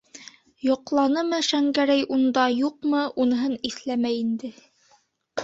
Йоҡланымы Шәңгәрәй унда, юҡмы - уныһын иҫләмәй инде.